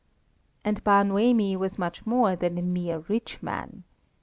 And Bar Noemi was much more than a mere rich man.